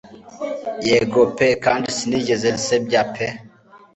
Yego pe kandi sinigeze nsebya pe